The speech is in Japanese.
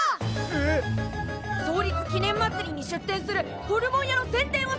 えっ？創立記念まつりに出店するホルモン屋の宣伝をさせてほしいんだ。